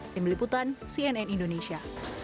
tim liputan cnn indonesia